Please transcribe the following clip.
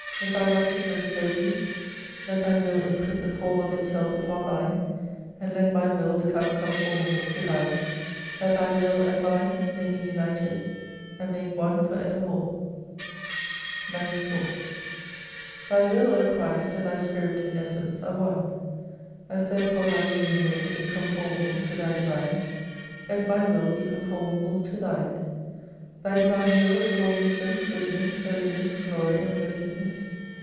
71 Let Thy righteousness clothe me. Let Thy will im» print the form of itself upon mme ; and let my will become conformable to thine : that Thy will and mine, may be united, and made one for evermore. 94 Thy will, O Christ, and Thy Spirit in essence are one. As therefore Thy human will is conformable to Thy Divine ; let my will be conformable to Thine. Thy divine Will is all wisdom, goodness, holiness, glory, and blessedness.